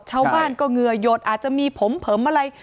ชาวบ้านก็เหงื่อหยดอาจจะมีผมเผิมอะไร